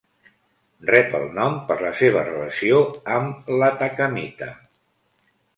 Rep el nom per la seva relació amb l'atacamita.